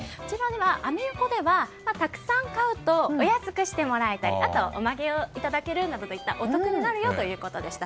アメ横ではたくさん買うとお安くしてもらえたりあとはおまけをいただけるなどといったお得になるよということでした。